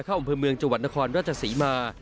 อำเภอเมืองจังหวัดนครราชศรีมา